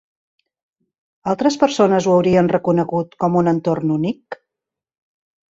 Altres persones ho haurien reconegut com un entorn únic?